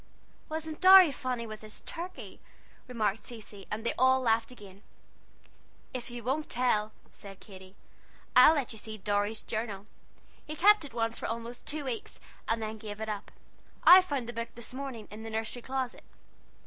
"Wasn't Dorry funny with his turkey?" remarked Cecy; and they all laughed again. "If you won't tell," said Katy, "I'll let you see Dorry's journal. He kept it once for almost two weeks, and then gave it up. I found the book, this morning, in the nursery closet."